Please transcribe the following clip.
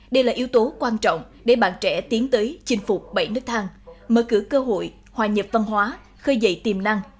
đây là yếu tố quan trọng để bạn trẻ tiến tới chinh phục bảy nước thang mở cửa cơ hội hòa nhập văn hóa khơi dậy tiềm năng